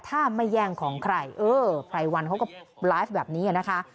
ถ้าไม่แย่งของใครเออไพรวันเขาก็ไลฟ์แบบนี้นะคะ